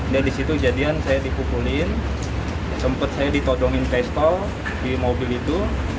dan disitu jadian saya dipukulin sempat saya ditodongin pistol di mobil itu